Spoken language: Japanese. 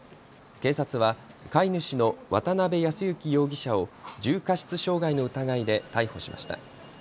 警察は飼い主の渡邊保之容疑者を重過失傷害の疑いで逮捕しました。